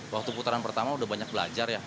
waktu putaran pertama udah banyak belajar ya